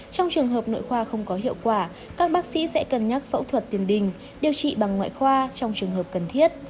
trong trường hợp nội khoa không có hiệu quả các bác sĩ sẽ cân nhắc phẫu thuật tiền đình điều trị bằng ngoại khoa trong trường hợp cần thiết